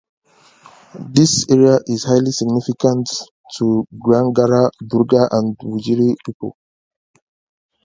This area is highly significant to the Gandangara, Darug and Wiradjuri people.